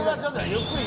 ゆっくり。